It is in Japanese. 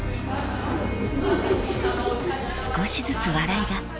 ［少しずつ笑いが］